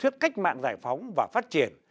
thuyết cách mạng giải phóng và phát triển